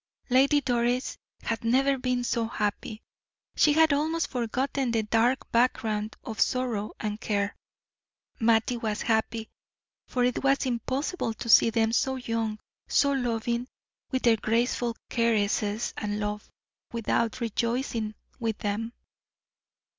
Lady Doris had never been so happy; she had almost forgotten the dark background of sorrow and care. Mattie was happy, for it was impossible to see them so young, so loving, with their graceful caresses and love, without rejoicing with them.